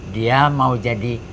dia mau jadi